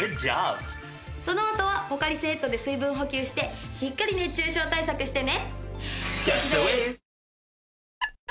そのあとはポカリスエットで水分補給してしっかり熱中症対策してね。